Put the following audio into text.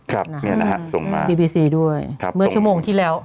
ก็มีบีบีซีด้วยเมื่อชั่วโมงที่แล้ว